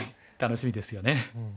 楽しみですよね。